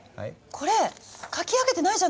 これ描き上げてないじゃない。